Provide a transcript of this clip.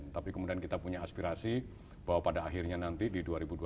tapi kemudian kita punya aspirasi bahwa pada akhirnya nanti di dua ribu dua puluh empat